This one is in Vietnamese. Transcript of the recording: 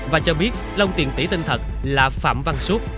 và cho biết long tiền tỷ tên thật là phạm văn suốt